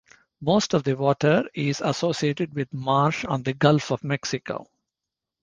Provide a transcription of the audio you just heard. Most of the water is associated with marsh on the Gulf of Mexico.